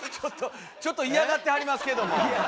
ちょっと嫌がってはりますけども。